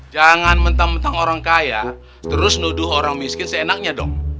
jangan mentang mentang orang kaya terus nuduh orang miskin seenaknya dong